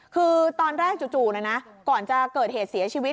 คือตอนแรกจู่นะนะก่อนจะเกิดเหตุเสียชีวิต